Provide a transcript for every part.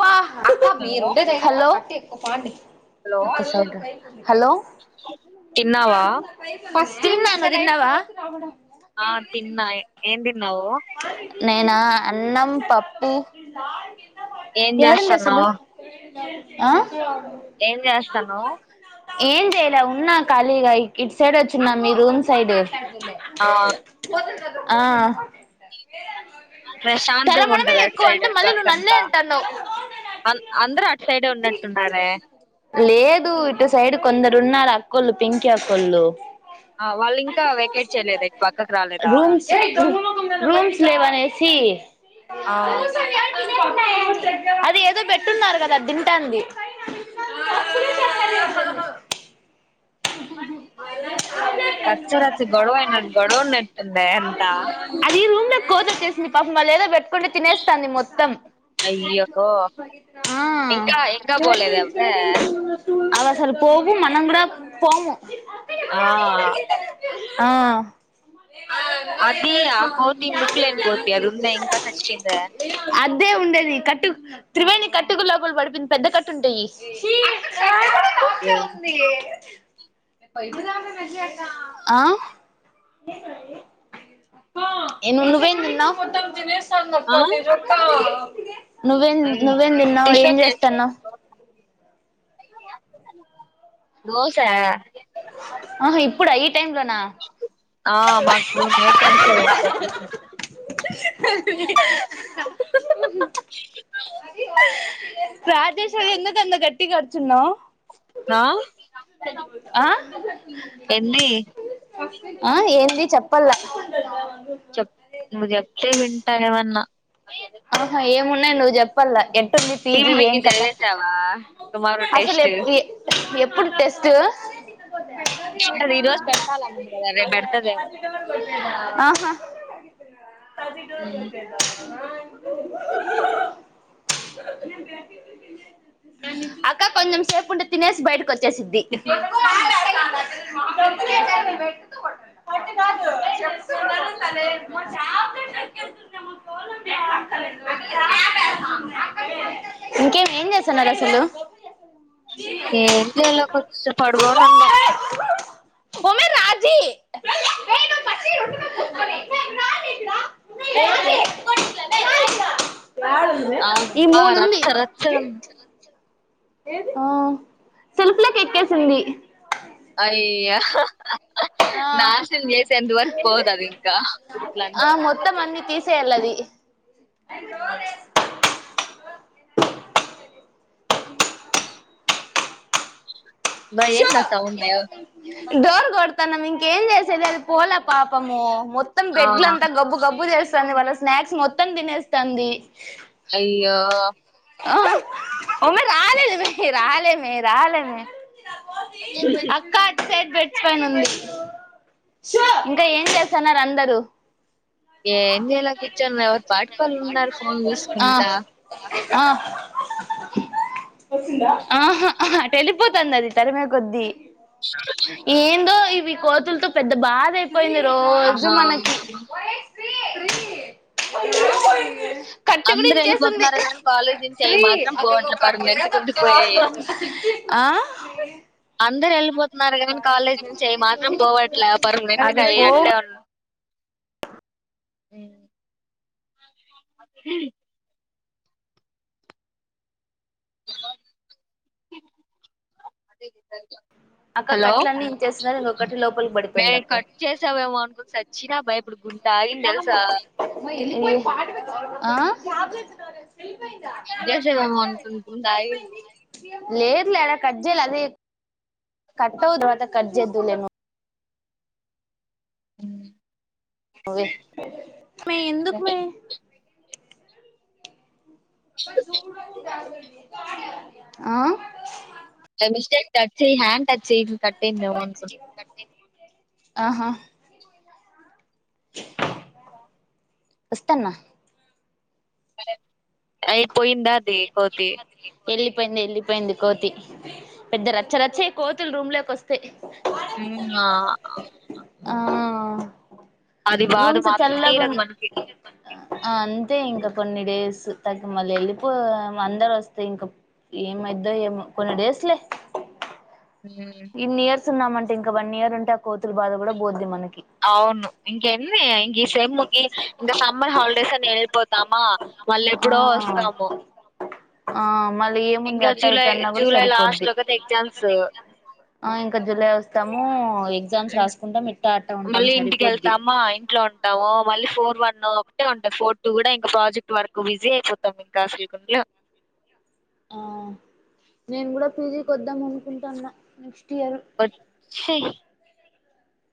వా హలో మీరుంటే హలో ఉపాడి హలో హలో తిన్నావా తిన్నా నువ్వు తిన్నావా ఆ తిన్నా ఏన్ తిన్న్నావు నేనా అన్నం పప్పు ఏం ఏడుంది అసలు చేస్తున్నావ్ ఆ ఏం చేస్తున్నావ్ ఏం చెయలే ఉన్నా ఖాళీగా ఇకి సైడ్ వచ్చిన్నా మీ రూమ్ సైడ్ ఆ [inaudible] ఆ ప్రశాంతంగా తరమడమే ఉంటది అడ్ ఎక్కువ సైడ్ అంటే మళ్ళీ నువ్వు నన్నే అంతా సైడే ఉన్నట్టున్నారే లేదు ఇటు సైడ్ కొందరు ఉన్నారు అక్కోళ్ళు పింకి అక్కోళ్ళు ఆ వాళ్ళు ఇంకా వెకేట్ చేయలేదా ఇటు పక్కకు రాలేదా రూమ్స్ రూమ్స్ లేవాని ఏసి ఆ అ అది ఏదో పెట్టున్నారు కదా తింటుంది రచ్చ రచ్చ గొడవ అయిన గొడవ ఉన్నట్టుందే అంతా అది రూమ్ కోతురు చేసి మీ పాప మా లేదా పెట్ తినేస్తాంది మొత్తం అయ్యో ఇంకా ఇంకా అవి పోలేదా అవ్వే అసలు పోవ మనం కూడా కూడా పొము ఆ ఆ అది ఆ కోతి ముక్కు లేని కోతి అది ఉందా ఇంకా సచ్చిపోయిందా అదే ఉండేది కట్టు త్రివేణి కట్టుకు లోపల పడిపోంది పెద్ద కట్టు ఉంటాయి చీ క ఉంది ఇ ఇప్పుడుదా వె ఆ ఎ ఉందు పోయిందన్నా ఆ జ [unintelligible] నువ్వేం హ్మ్ నువ్వేం తిన్నావు్ టిఫిన్ ఏం చేసా చేస్తాన్నా దోసా ఇప్పుడు టైమ్ లోనా ఆ మాకు నైట్ టైమ్స్ లో పెడతారు ట్యూషన్ ప్రదేశంలో ఎందు కంద కట్ కుటి కడిచున్నా ఆ ఎంది ఆ ఏంది చెప్పలా టైం అన్న అహా ఏమున్నా నువ్వు చెప్ప పల్ ఎ ఎట్లుంది టీవీ పీజీ బిగ్గి ఏం కథ చదివేసావా టుమారో అసలు టెస్ట్ ఎప్ ఏ ఎప్ ఇప్పుడు టెస్ట్ అది ఈ రోజు పెట్టాలనింది కదా రేపు పెడతదేమో ఆహా తది డోర్ మ్మ్. కొలిచేదా అక్క కొంచెం సేపు ఉంటే తినేసి బయటకు వచ్చేసిద్ది పట్టు కాదు చెప్తున్నాను తలే మా టాబ్లెట్ ఎక్కేస్తుంటే మా కోలం ఇంకేం ఏం చేస్తున్నారు అసలు ఏం చేయల కొంచం పడుకోని ఉన్నాం ఓ అమ్మాయి రాజీ [unintelligible] ఈ అబ్బా మూలుంది రచ్చ రచ్చగుంది సెల్ఫ్ లోకి ఎక్కేసింది అయ్యో ఆ నాశనం చేసేంత వరకు పోదు అది ఇంకా ఇచ్చేయాలది హ్మ్ అబ్బా ఏందా సౌండ్ డోర్ కొడతన్నం ఇం ఏం చేసేదది పోలా పాపము మొత్తం ఆ బెడ్లంతా గబ్బు గబ్బు చేస్ వస్తంది మన స్నాక్స్ మొత్తం తినేస్తుంది అయ్యో ఓ అమ్మాయి రాలేమో రాలేమే రాలేమే అక్క అటు సె పెచ్ పైన ఉంది ఇంకా ఏం చేస్తున్నారు అందరూ ఏం చేయాలా కూర్చోనీ ఉన్నా ఎవరు పాటుకోల్ ఉన్నారు ఫోన్ ఆ చూసుకుంటా ఆ ఆహా అటు ఎల్లిపోతాంది అది తరిమే కొద్దీ ఏందో ఇ వి కోతులతో పెద్ద బాదే పోయింది ఆ రోజు మనకి కట్టు కూడ అందరు ఇన్చేసింది వెళ్ళిపోతున్నారు కానీ కాలేజ్ నుంచి అవి మాత్రం పోవట్లే పర్మనెంట్ గా ఉండిపోయాయి ఆ అందరు వెళ్ళిపోతున్నారు కానీ కాలేజ్ నుంచి అవి మాత్రం పోవట్లే పర్మనెంట్గా అవి అయి పోవు అట్టే ఉన్ అ హ అదే స అక్క హలో కట్లన్నీ ఇచ్చేసినారు ఇంకొకటి లోపలికి మే పడిపోయింది అక్క కట్ చేసావేమోనని సచ్చనా బయ ఇప్పు గు డాయితెల్సా ఆ జ జగమోహన్ కుాయి లేదులే ఎడా కట్జేల అదే కట్టవుదు మాత కట్జేదులేము అ అవే మీ ఎందుకు మే బై అ జూడు ద ఆ మిస్టేక్ హ్యాండ్ టచ్ చే కట్టేందవా ఆహా వస్తన్న అయి పోయిందా లేకోతే వెళ్ళిపోయింది వెళ్ళిపోయింది కోతి పెద్ద రచ్చరచ్చే కోతులు రూమ్లోకోస్తే ఉ ఆ ఆ అది బాధ రూమ్స్ మాత్రం చల్లగా తీరదు మనకి. అంతే ఇంకా కొన్ని డేస్ తగ్గ మళ్ళ వెళ్ళిపో అందరు వస్తే ఇంకా ఏమైద్దో ఏమో కొన్ని డేస్లే ఉ వస్తున్నామంటే ఇంకా వన్ ఇయర్ ఉంటే కోతులు బాధ కూడా బద్దిమనకి అవును ఇంకేమీ ఇంక సెమ్ ఇంకా సమ్మర్ హాలిడేస్ అని వెళ్ళిపోతామా మళ్ళ ఆ ఎప్పుడో వస్తాము ఆ మళీ ఏముంది ఇంకా అట్టా ఇట్ట జూలై అన్నా కూడా జూలై సరిపోద్ది లాస్ట్‌లో కదా ఎగ్జామ్స్. ఆ ఇంకా జులై వస్తాము ఎగ్జామ్స్ హ్మ్. రాసుకుంటా మిట్టా అట్ట ఉంటాం మళ్ళీ సరిపోద్ది ఇంటికెళ్తామా, ఇంట్లో ఉంటాము మళ్ళీ ఫోర్ వన్ ఒకటే ఉంటాంది ఫోర్ టూ కూడా ఇంకా ప్రాజెక్ట్ వర్క్ బిజీ అయిపోతాం ఇంకా అసలు గులో ఆ నేను కూడా పీజీ కొద్దాం అనుకుంటాన్నా నెక్స్ వచ్చే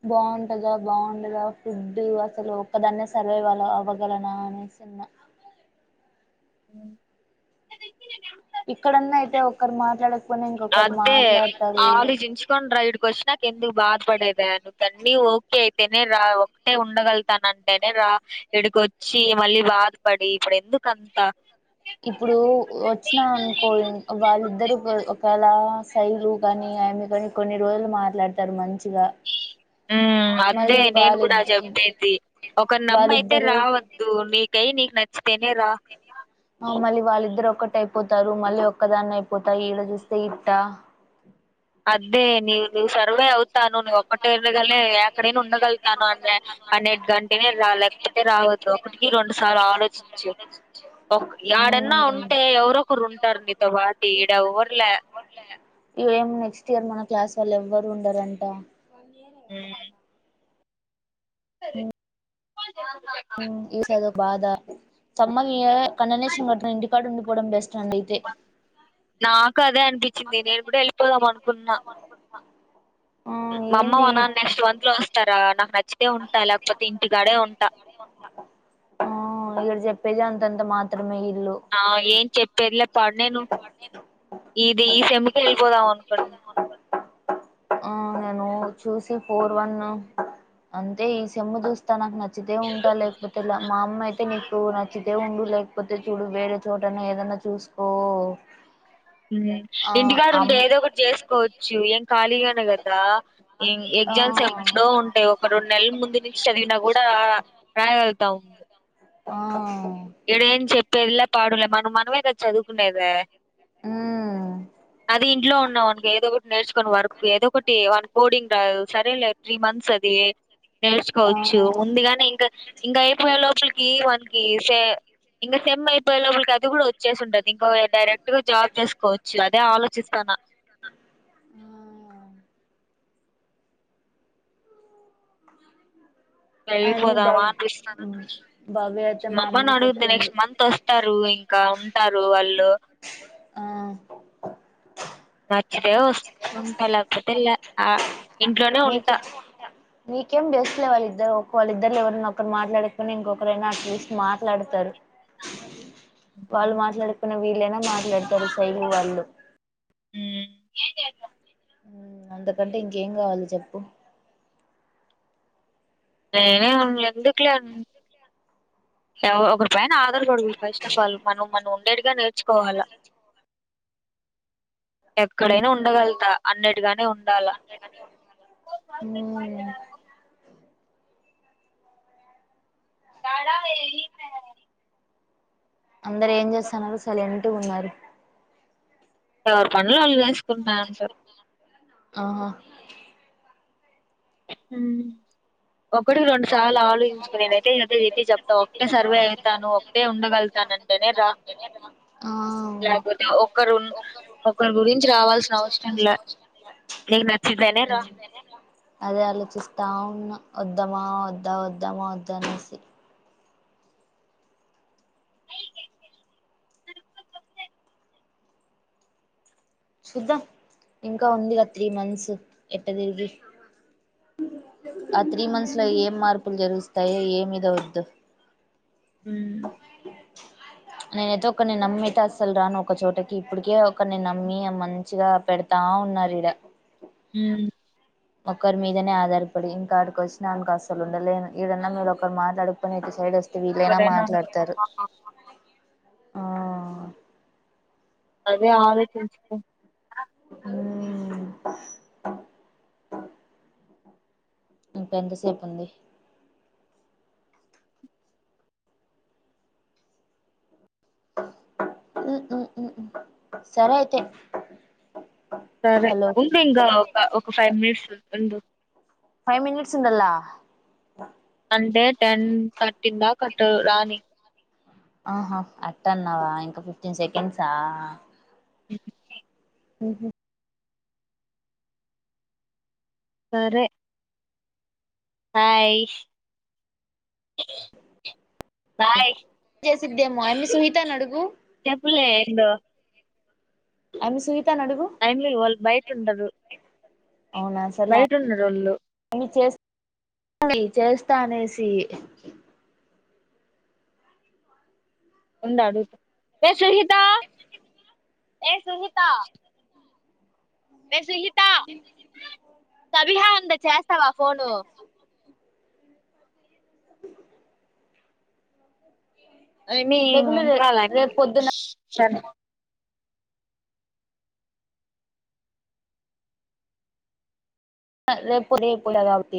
బాగుంటదా బాగుంటదా ఫుడ్ అసలు ఒక్కదాన్నే సర్వైవ్ అలా అవ్వగలనా అనే చిన్న [inaudible] ఇక్కడన్నా అయితే ఒకరు మాట్లాడారు అదే ఆలోచించుకోని రైడ్ క్వశ్చనక్ ఎందుకు బాధ పడేపేను గన్ని ఓకే అయితేనే రా ఒకటే ఉండగలుగుతానంటేనే రా ఇడికోచ్చి మళ్ళీ బాధపడి ఇప్పుడు ఎందుకంత ఇప్పుడు వచ్చినా అనుకో వాళ్ళిద్దరు ఒకళ శైలు కాని ఆమి కాని కొన్ని రోజులు మాట్లాడతారు మంచి అదే నేను కూడా వాళ్ళిద్ద చెప్పేది ఒక నమ్మ అయితే వాళ్ళిద్దరు రావద్దు నీకు కయి నికు నచ్ తిని రా మళ్ళీ వాళ్ళిద్దరు ఒకటైపోతారు మళ్ళీ ఒక్కదాన్ని అయిపోతా ఈడ చూస్తే ఇట్ట అదే నీ నువ్వు సర్వే అవుతాను చెరువులు నువ్వు ఒక్కటే అవుతాను నీ వెళగనే ఒక్కటే ఎక్కడైనా వెళ్ళగలి అక్కడే ఉండగలుగుతాను అనే ఉండగలుగుతాను అంటే అన్నిటికంటే అంటే రా అట్లనే లేకపోతే రా రావద్దు లేకపోతే ఒకటికి రావద్దు రెండు సార్లు ఒకటికి రెండు సార్లు ఆలోచించు ఆలోచించు ఒక ఏడన్నా ఉంటే ఎవరైనా ఉంటే ఎవరొకరు ఎవరో ఉంటారు ఒకరు నీతో ఉంటారు వాటి ఏడవర్లే ఈఎం నెక్స్ట్ ఇయర్ మనం క్యాస్ వాళ్ళు ఎవ్వరు ఉండరంట ఆ సరే ఈస బాధ సమ్మవ కన్న నేసంగర్ ఇంటికాడ ఉండి పోడం బెస్ట్ అండి అయితే నాకు అదే అనిపి చ్చింది నేను కూడా వెళ్ళిపోదాం అనుకున్న అ మా అమ్మ మనా నెక్స్ట్ మంత్ లో వస్తారా నాకు న చ్చితే ఉంటా లేకపోతే ఇంటికడే ఉంటా చెప్పేజంద అంత అంత మాత్ర ఆ ఏం చెప్పేది లేపాడు నిను ఇది ఈ సెముకు వెళ్ళిపోదాం అనుకున్న ఆ నేను చూసి ఫోర్ వన్ అంటే ఈ సెమ్ము చూస్తానన్నది నచ్చితే ఉంటా లేకపోతే లే మా అమ్మ అయితే నీకు నచ్చితే దేఉండు లేకపోతే చూడు వేరే చోటనే ఏదన్నా చూసుకో ఆ ఇంటికాడ ఉంటే అమ్ ఏదో ఒకటి చేసుకోవచ్చు ఏం ఖాళీగానే కదా ఆ ఎగ్జామ్స్ ఎప్పుడో ఉంటాయి ఒక రెండు నెలల ముందు నుంచి చదివినా కూడా రాయగలుగుతాం ఉ ఆ ఇడేం చెప్పేదిలా పాడలే మనం మనమేద చదువుకునేద అది ఇంట్లో ఉన్నా వానకి ఏదో ఒకటి నేర్చుకొని వర్క్ ఏదో ఒకటి వాన పోఓడింగ్ సరేలే త్రీ మంత్స్ అది ఆ ఆ నేర్చుకోవచ్చు ముందుగాని ఇంకా ఇంకా అయిపోయే లోపలికి వన్ ఈ విషయ ఇంగ సెమ్ము అయిపోయే లోపు చదువు కూడా వచ్చేసి ఉంటది ఇంకా డైరెక్ట్గా జాబ్ చేసుకోవచ్చు అదే ఆలోచిస్తున్న అయమ్మి వెళ్ళిపోదామా భవ్ అనిపిస్తుంది. భవ్య అయితే మా మమ్మని అమ్మకి అడుగితే చెప్పింది నెక్స్ట్ మంత్ వస్తారు ఇంకా ఇంకా ఉంటారు వాళ్ళు ఆ నచ్చితేే వస్త ఉంటా లేకపోతే ల్యా ఆ ఇంట్లోనే నీకే ఉంటా నీకేం బెస్ట్ లే వాళ్ళిద్దరు ఒక వాళ్ళిద్దరులో ఎవరన్న ఒకరు మాట్లాడుకొని ఇంకొకరైనా అట్లీస్ట్ మాట్లాడతారు వాళ్ళు ఉమ్. మాట్లాడ అప్పుడు వీళ్లైనా మాట్లాడతారు [unintelligible] వాళ్ళు మ్మ్ అంతకంటే ఇంకేం కావాలి చెప్పు నేనే ఎందుకులే ఒకరి పైన ఆధార్పడకదు ఫస్ట్ ఆఫ్ ఆల్ మనం మన్న ఉండేట్టుగా నేర్చుకోవాలా ఎక్కడైనా ఉండగలుగుతా అన్నటిగానే ఉండాల మ్మ్ హ్మ్ యాడ [inaudible] అందరు ఏం చేస్తన్నారు. సైలెంటుగున్నారు ఎవరు పనులు వాళ్ళు చేస్ కుంటున్నారు ఆహా మ్మ్ ఒక్కటే [unintelligible] చాలా ఆలోచించుకుని నేను అయితే ఏద ఏటి చెప్తా ఒకటే సర్వే అవుతాను ఒక్కటే ఉండగలుగుతాను అంటేనే రా ఆ లేకపోతే ఒక్కరు ఒకరి గురించి రావాల్సిన అవసరం లే నీకు నచ్చితేనే రా అదే ఆలోచిస్తా ఉన్న వద్దామా వద్దా వద్దామా వద్దా అనేసి చూద్దాం ఇంకా ఉంది ఆ త్రీ మంత్స్ ఎట్ట తిరిగి ఆ త్రీ మంత్స్ లో ఏం మార్పులు జరుగుస్తాయో ఏమిద వద్దు మ్మ్ నేనైతే ఒక్కడిని నమ్మి ఐతే అస్సలు రాను ఒకచోటకి ఇప్పటికే ఒకడిని నమ్మి మంచిగా పెడతా ఉన్నారు ఇడ మ్మ్ ఒకరి మీదనే ఆధారపడి ఇంకాడికి వచ్చినాక అసలు ఉండలేను ఈడన్నా మీరు ఒకరు మాట్లాడకపోయిన సైడ్ వస్తే వీళ్ళైనా ఎవరైనా ఉంటారు మాట్లాడుతారు ఆ, ఆ అదే ఆలోచించుకో మ్మ్ ఇంకా ఎంతసేపు ఉంది మ్మ్ సరే అయితే సరే హలో ఉండు ఇంకా ఒక ఫైవ్ మినిట్స్ ఉండు ఫైవ్ మినిట్స్ ఉండాల అంటే టెన్ థర్టీ దాక అటు రాని ఆహా అట్టన్నావా ఇంకా ఫిఫ్టీన్ సెకండ్సా మ్మ్ మ్మ్ హ్మ్ సరే హాయ్ చేసిద్దేమో అమి సునీత నీ అడుగు. చెప్పులే ఏందో అనసూయ. టైం లో వాళ్ళు బయట ఉంటరు. అవునా సర్లే బయట ఉన్నారు ఒళ్ళు. ఆమె చేసి చేస్తా అనేసి. ఉండు అడుగుతా. [inaudible] ఏ సునీత ఎ సుహిత. [unintelligible] రహా అందా చేస్తావా ఫోను ఏమి లేకుంటే గుడాల రేపు పొద్దున సనీ రేపు రేపు కదా అటి